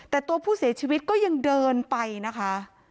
แต่ตัวผู้เสียชีวิตก็ยังเดินไปนะคะ